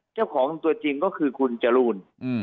เจ้าของตัวจริงก็คือคุณจรูน